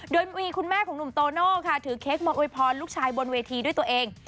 โดยมีคุณแม่ของหนุ่มโตโน่ค่ะถือเค้กมาอวยพรลูกชายบนเวทีด้วยตัวเอง